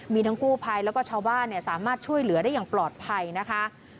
มีทั้งกู้ภัยแล้วก็ชาวบ้านสามารถช่วยเหลือได้อย่างปลอดภัยนะคะ